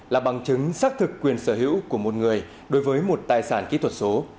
là bằng chứng xác thực quyền sở hữu của một người đối với một tài sản kỹ thuật số